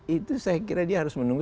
itu saya kira dia harus menunggu